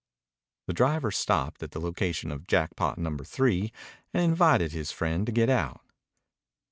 The driver stopped at the location of Jackpot Number Three and invited his friend to get out.